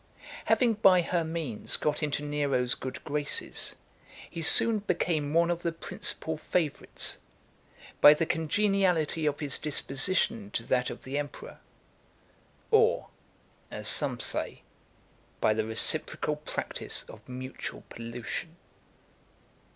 Having by her means got into Nero's good graces, he soon became one of the principal favourites, by the congeniality of his disposition to that of the emperor or, as some say, by the reciprocal practice of mutual pollution.